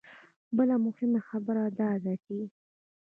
بله مهمه خبره دا ده چې